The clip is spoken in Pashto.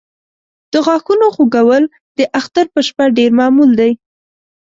د غاښونو خوږول د اختر په شپه ډېر معمول دی.